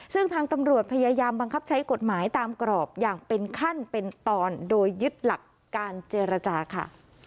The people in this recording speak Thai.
ซึ่งทางตำรวจพยายามบังคับใช้กฎหมายตามกรอบอย่างเป็นขั้นเป็นตอนโดยยึดหลักการเจรจาค่ะ